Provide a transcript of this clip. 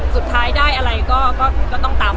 สุดท้ายได้อะไรก็ต้องตาม